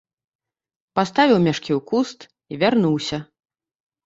Паставіў мяшкі ў куст і вярнуўся.